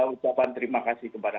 ucapan terima kasih kepada